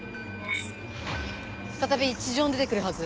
再び地上に出て来るはず。